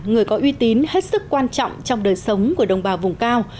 người có uy tín hết sức quan trọng trong đời sống của đồng bào vùng cao